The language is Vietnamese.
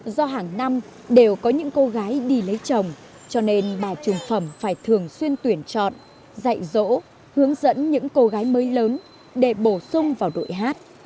do hàng năm đều có những cô gái đi lấy chồng cho nên bà trùng phẩm phải thường xuyên tuyển chọn dạy dỗ hướng dẫn những cô gái mới lớn để bổ sung vào đội hát